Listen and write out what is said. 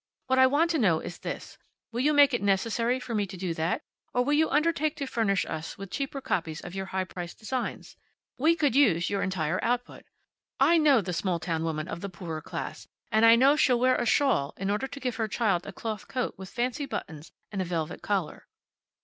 What I want to know is this: Will you make it necessary for me to do that, or will you undertake to furnish us with cheaper copies of your high priced designs? We could use your entire output. I know the small town woman of the poorer class, and I know she'll wear a shawl in order to give her child a cloth coat with fancy buttons and a velvet collar."